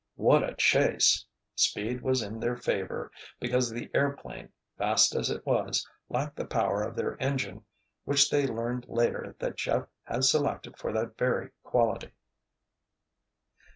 What a chase! Speed was in their favor, because the seaplane, fast as it was, lacked the power of their engine which they learned later that Jeff had selected for that very quality.